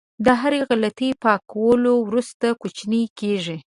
د هرې غلطۍ پاکولو وروسته کوچنی کېږي.